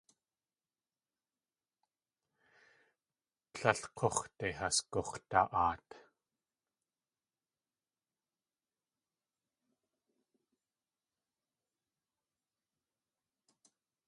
Tlél k̲úx̲de has gux̲da.aat.